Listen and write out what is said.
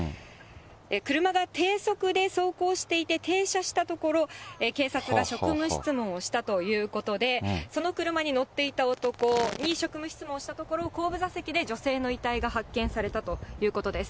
車が低速で走行していて、停車したところ、警察が職務質問をしたということで、その車に乗っていた男に職務質問したところ、後部座席で女性の遺体が発見されたということです。